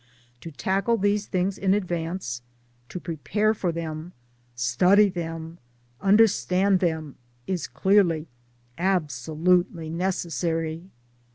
To tackle these things in advance, to pre pare for them, study them, understand them is clearly absolutely necessary.